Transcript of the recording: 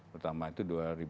pertama itu dua ribu dua